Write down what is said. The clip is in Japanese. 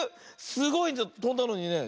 すごいとんだのにね。